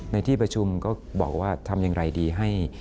ในที่ประชุมก็บอกว่าทำอย่างไรดีให้